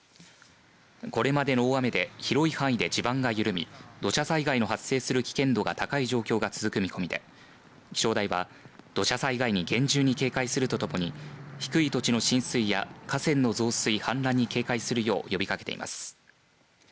これまでの大雨で広い範囲で地盤が緩み土砂災害発の発生する危険度が高い状況が続く見込みで気象台は土砂災害に厳重に警戒するとともに低い土地の浸水や河川の増水氾濫に警戒するよう呼びかけています。